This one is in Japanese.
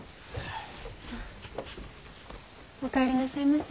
お帰りなさいませ。